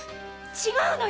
違うのよ！